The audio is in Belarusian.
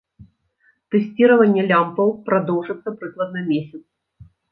Тэсціраванне лямпаў прадоўжыцца прыкладна месяц.